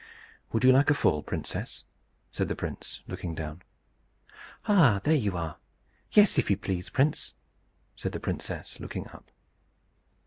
"Would you like a fall, princess?" said the prince, looking down. "Ah! there you are! Yes, if you please, prince," said the princess, looking up.